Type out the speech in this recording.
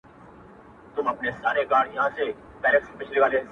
په امان به سي کورونه د پردیو له سپاهیانو،